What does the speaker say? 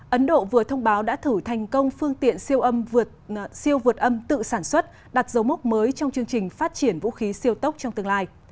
ấn độ vừa thông báo đã thử thành công phương tiện siêu vượt âm tự sản xuất đặt dấu mốc mới trong chương trình phát triển vũ khí siêu tốc trong tương lai